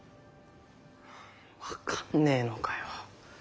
分かんねえのかよ。